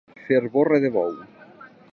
Fer borra de bou.